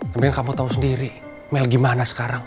kemudian kamu tahu sendiri mel gimana sekarang